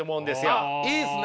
あっいいですね。